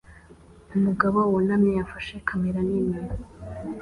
Umugabo wunamye afashe kamera nini